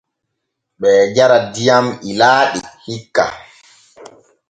Ɓee jara diyam ilaaɗi hikka.